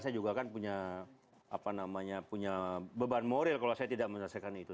saya juga kan punya beban moral kalau saya tidak menyelesaikan itu